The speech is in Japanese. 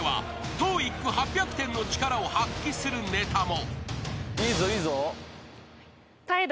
［ＴＯＥＩＣ８００点の力を発揮するネタも］